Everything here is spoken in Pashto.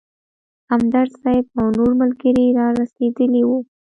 همدرد صیب او نور ملګري رارسېدلي وو.